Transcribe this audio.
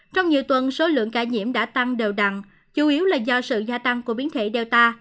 trong nhiều tuần số lượng ca nhiễm đã tăng đều đặn chủ yếu là do sự gia tăng của biến thể data